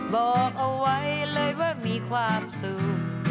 บอกเอาไว้เลยว่ามีความสุข